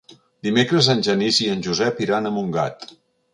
Dimecres en Genís i en Josep iran a Montgat.